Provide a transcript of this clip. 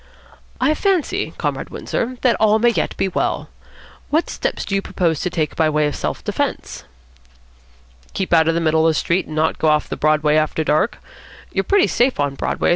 I fancy, Comrade Windsor, that all may yet be well. What steps do you propose to take by way of self defence?" "Keep out in the middle of the street, and not go off the Broadway after dark. You're pretty safe on Broadway.